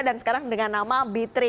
dan sekarang dengan nama bitri